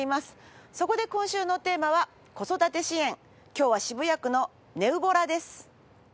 今日は渋谷区のネウボラです。